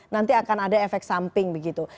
nanti akan ada efek samping begitu